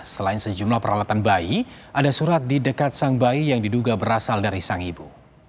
selain sejumlah peralatan bayi ada surat di dekat sang bayi yang diduga berasal dari sang ibu